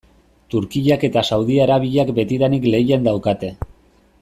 Turkiak eta Saudi Arabiak betidanik lehian daukate.